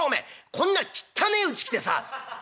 こんなきったねえうち来てさ」。